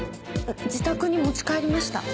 自宅に持ち帰りました。